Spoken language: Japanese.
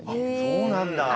そうなんだ。